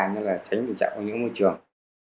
nó là tránh tình trạng của những môi trường